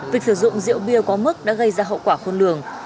việc sử dụng rượu bia quá mức đã gây ra hậu quả khôn lường